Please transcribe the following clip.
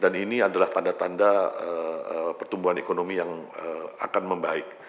dan ini adalah tanda tanda pertumbuhan ekonomi yang akan membaik